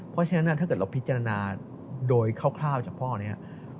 เพราะฉะนั้นถ้าเกิดเราพิจารณาโดยคร่าวจากพ่อนี้